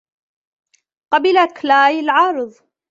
قبل كلاي العرض.